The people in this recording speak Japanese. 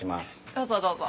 どうぞどうぞ。